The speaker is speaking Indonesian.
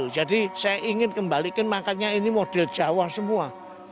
jadi saya ingin kembalikan makanya ini model jawa semua